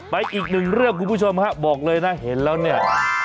ไปอีกหนึ่งเรื่องคุณผู้ชมนะคะบอกเลยเฮนเชิญเรียกเหงาเนี้ย